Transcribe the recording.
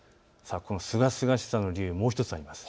このすがすがしさの理由、もう１つあります。